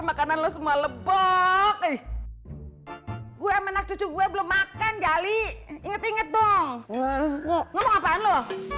makanan lu semua lebok gue anak cucu gue belum makan jali inget inget dong ngomong apaan lu